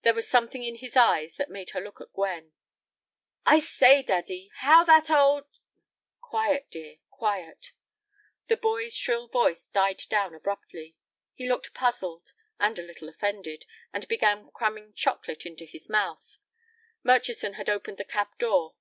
There was something in his eyes that made her look at Gwen. "I say, daddy, how that old—" "Quiet, dear, quiet." The boy's shrill voice died down abruptly. He looked puzzled, and a little offended, and began cramming chocolate into his mouth. Murchison had opened the cab door.